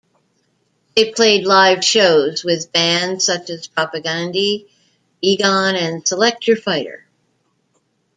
They played live shows with bands such as Propagandhi, Egon and Select Your Fighter.